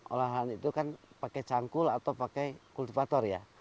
olah lahan itu kan pakai cangkul atau pakai kultifator ya